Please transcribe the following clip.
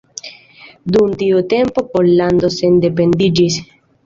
Dum tiu tempo Pollando sendependiĝis.